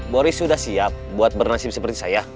boris sudah siap buat bernasib seperti saya